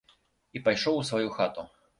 І пайшоў у сваю хату.